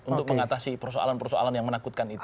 untuk mengatasi persoalan persoalan yang menakutkan itu